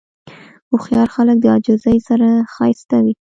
هوښیار خلک د عاجزۍ سره ښایسته وي.